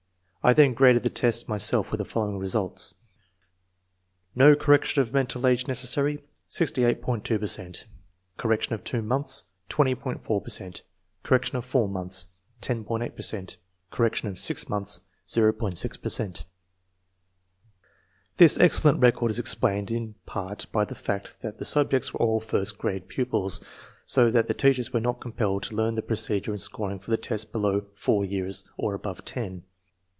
I then graded the tests myself, with the following results: No correction of mental age necessary 68 .& per cent Correction of months ............. 20 . 4 per cent Correction of 4 months .............. 10.8 per cent Correction of 6 months .............. 0.6 per cent" This excellent record is explained in part by the fact that the subjects were all first grade pupils, so that the teachers were not compelled to learn the procedure and scoring for the tests below four years or above ten.